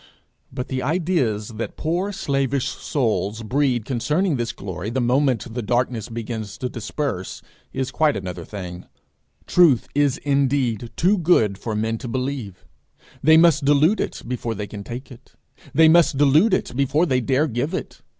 But the ideas that poor slavish souls breed concerning this glory the moment the darkness begins to disperse, is quite another thing. Truth is indeed too good for men to believe; they must dilute it before they can take it; they must dilute it before they dare give it.